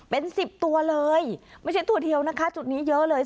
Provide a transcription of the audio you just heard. เป็นสิบตัวเลยไม่ใช่ตัวเดียวนะคะจุดนี้เยอะเลย